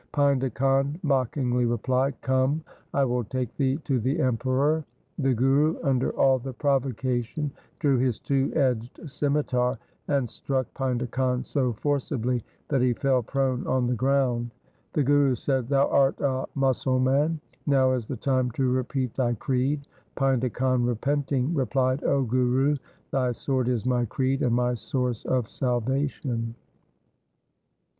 Painda Khan mockingly replied, ' Come, I will take thee to the Emperor.' The Guru, under all the provocation, drew his two edged scimitar and struck Painda Khan so forcibly that he fell prone oh the ground. The Guru said, ' Thou art a Musal man. Now is the time to repeat thy creed.' Painda Khan, repenting, replied, ' O Guru, thy sword is my creed and my source of salvation.'